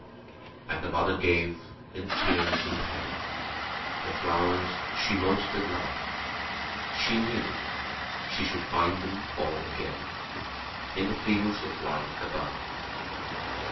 '' And the mother gave, in tears and pain, The flowers she most did love; She knew she should find them all again In the fields of light above.